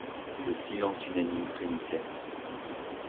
Le silence unanime frémissait.